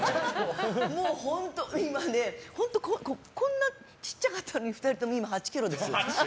もう本当こんな小さかったのに２人とも今、８ｋｇですよ。